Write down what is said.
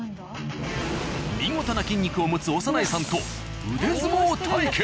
見事な筋肉を持つ長内さんと腕相撲対決。